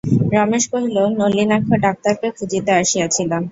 রমেশ কহিল, নলিনাক্ষ ডাক্তারকে খুঁজিতে আসিয়াছিলাম।